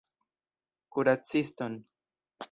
Kuraciston!